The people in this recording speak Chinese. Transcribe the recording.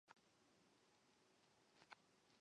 东汉永初元年犍为郡移治武阳县。